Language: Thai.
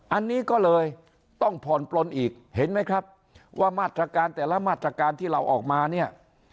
อันนี้ก็เลยต้องผ่อนปลนอีกเห็นไหมครับว่ามาตรการแต่ละมาตรการที่เราออกมาเนี่ย